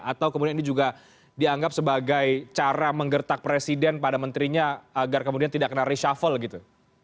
atau kemudian ini juga dianggap sebagai cara menggertak presiden pada menterinya agar kemudian tidak kena reshuffle gitu